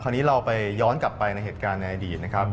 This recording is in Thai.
คราวนี้เราไปย้อนกลับไปในเหตุการณ์ในอดีตนะครับ